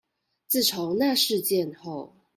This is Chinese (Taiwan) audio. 自從那事件後